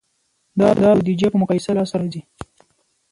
دا د بودیجې په مقایسه لاسته راځي.